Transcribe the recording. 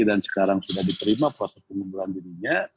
dan sekarang sudah diperima proses pengunduran dirinya